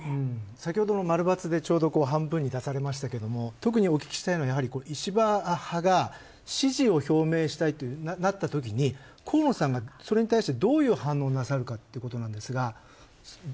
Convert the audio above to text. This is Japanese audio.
先ほどの○×でちょうど半分に出されましたけど特にお話を聞きたいのは石破派が支持を表明したいとなったときに河野さんが、それに対して、どういう反論をなさるかというところですが。